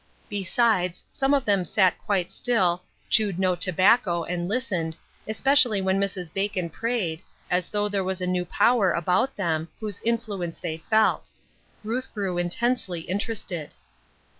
Besides, some of them sat quite still, chewed no tobacco, and listened, especially when Mrs. Bacon prayed, as though there was a new power about them, whose influence they felt. Ruth grew intensely interested.